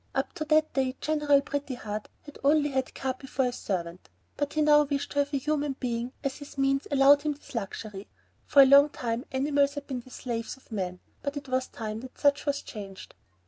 Up to that day General Pretty Heart had only had Capi for a servant, but he now wished to have a human being as his means allowed him this luxury. For a long time animals had been the slaves of men, but it was time that such was changed!